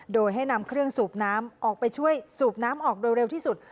โดยให้นำเครื่องสูบน้ำออกไปช่วยสูบน้ำออกโดยเร็วที่สุด